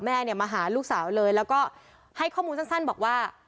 แม่เนี่ยมาหาลูกสาวเลยแล้วก็ให้ข้อมูลสั้นบอกว่า